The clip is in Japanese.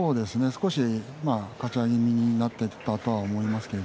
少し、かち上げ気味になったと思います。